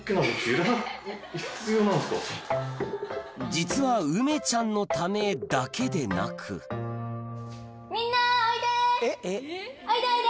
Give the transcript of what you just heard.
実はうめちゃんのためだけでなくおいでおいで！